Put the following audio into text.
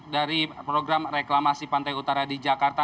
dari program reklamasi pantai utara di jakarta